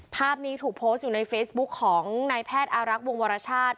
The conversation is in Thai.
ภาพนี้ถูกโพสต์อยู่ในเฟซบุ๊คของนายแพทย์อารักษ์วงวรชาติ